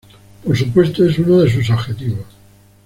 Por supuesto, es uno de sus objetivos.